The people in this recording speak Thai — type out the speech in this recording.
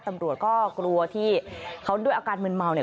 ตำรวจก็กลัวที่เขาด้วยอาการมืนเมาเนี่ย